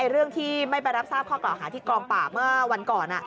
เรื่องที่ไม่ไปรับทราบข้อกล่าวหาที่กองป่าเมื่อวันก่อน